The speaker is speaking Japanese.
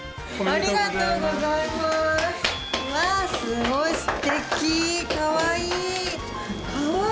ありがとうございます。